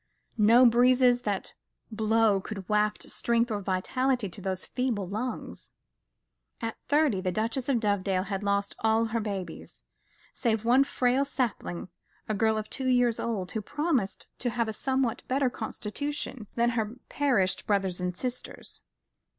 No breezes that blow could waft strength or vitality to those feeble lungs. At thirty the Duchess of Dovedale had lost all her babies, save one frail sapling, a girl of two years old, who promised to have a somewhat better constitution than her perished brothers and sisters.